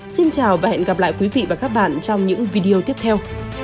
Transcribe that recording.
xin chào và hẹn gặp lại quý vị và các bạn trong những video tiếp theo